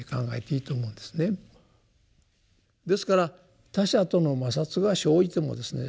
ですから他者との摩擦が生じてもですね